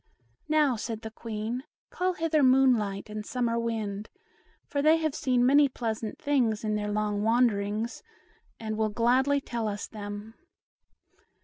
"Now," said the Queen, "call hither Moon light and Summer Wind, for they have seen many pleasant things in their long wanderings, and will gladly tell us them."